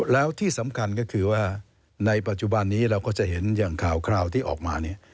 แล้วที่สำคัญก็คือว่าในปัจจุบันนี้เราก็จะเห็นอย่างข่าวที่ออกมาเนี่ย